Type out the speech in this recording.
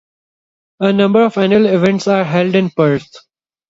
A number of annual events are held in Perth.